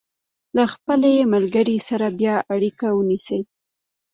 له خپلې ملګرې سره به بیا اړیکه ونیسي.